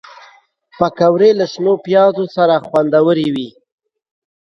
پکورې له شنو پیازو سره خوندورې وي